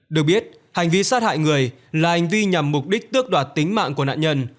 được biết hành vi sát hại người là hành vi nhằm mục đích tước đoạt tính mạng của nạn nhân